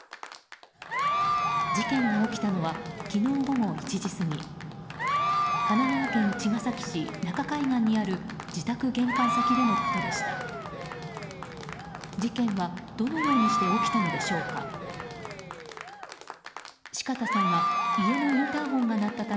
事件が起きたのは昨日午後１時過ぎ神奈川県茅ヶ崎市中海岸にある自宅玄関先でのことでした。